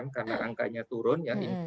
karena angkanya turun